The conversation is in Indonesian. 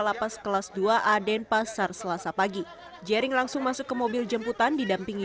lapas kelas dua a denpasar selasa pagi jering langsung masuk ke mobil jemputan didampingi